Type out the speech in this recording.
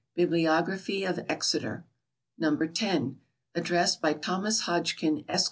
Bibliography of Exeter. No. 10. Address by Thomas Hodgkin, Esq.